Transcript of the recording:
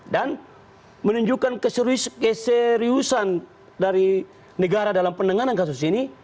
dan menunjukkan keseriusan dari negara dalam pendengaran kasus ini